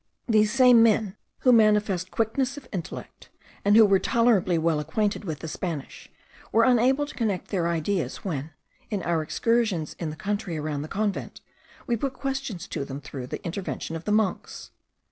These same men, who manifest quickness of intellect, and who were tolerably well acquainted with the Spanish, were unable to connect their ideas, when, in our excursions in the country around the convent, we put questions to them through the intervention of the monks.